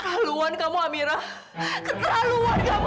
haluan kamu amirah keterlaluan kamu